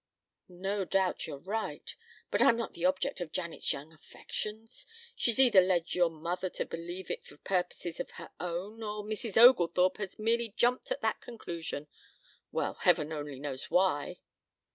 "No doubt you're right. But I'm not the object of Janet's young affections. She's either led your mother to believe it for purposes of her own, or Mrs. Oglethorpe has merely jumped at that conclusion well, Heaven only knows why."